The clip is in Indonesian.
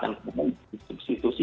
dan kebanyakan disubstitusi